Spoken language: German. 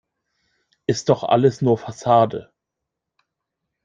Ist doch alles nur Fassade.